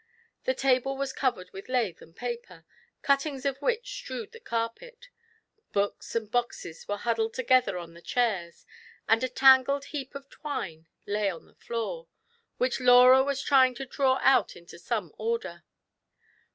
The table was covered with lath and paper, cuttings of which strewed the carpet ; books and boxes were huddled together on the chaii s ; and a tangled heap of twine lay on the floor, which Laura was trying to draw out into some order.